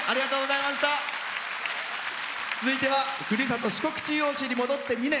続いては、ふるさと四国中央市に戻って２年。